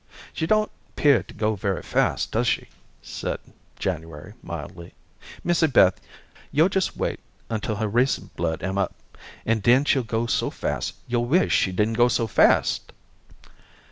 "She don't 'pear to go very fast, does she?" said January mildly. "Missy Beth, yo' jes' wait until her racing blood am up, and den she'll go so fast, yo'll wish she didn't go so fast."